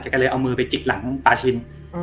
ก็เลยเอามือไปจิกหลังปลาชิน